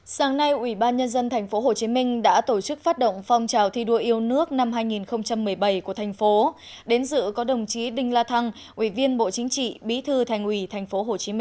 sáng nay ủy ban nhân dân tp hcm đã tổ chức phát động phong trào thi đua yêu nước năm hai nghìn một mươi bảy của thành phố đến dự có đồng chí đinh la thăng ủy viên bộ chính trị bí thư thành ủy tp hcm